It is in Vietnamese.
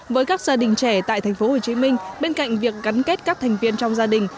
với các gia đình trẻ tại thành phố hồ chí minh bên cạnh việc gắn kết các thành viên trong gia đình